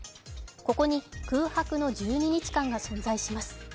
ここに空白の１２日間が存在します。